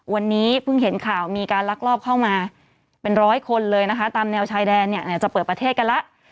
วันนี้เพิ่งเห็นข่าวมีการลักลอบเข้ามาเป็นร้อยคนเลยนะคะตามแนวชายแดนเนี่ยจะเปิดประเทศกันแล้ว